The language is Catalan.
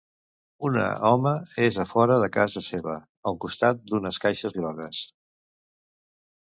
Una home és a fora de casa seva, al costat d'unes caixes grogues.